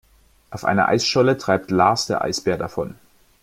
Auf einer Eisscholle treibt Lars der Eisbär davon.